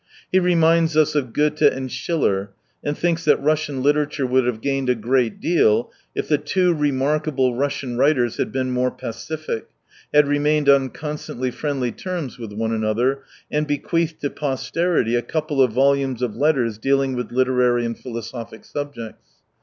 He reminds us of Goethe and Schiller, and thinks that Russian literature would have gained a great deal if the two remarkable Russian writers had been more pacific, had remained on constantly friendly terms with one another, and bequeathed to posterity a couple of volumes of letters dealing with literary and philo sophic subjects.